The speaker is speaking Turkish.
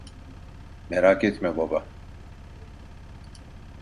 Merak etme baba.